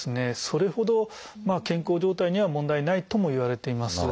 それほど健康状態には問題ないともいわれています。